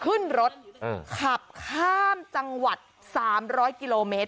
ขึ้นรถขับข้ามจังหวัด๓๐๐กิโลเมตร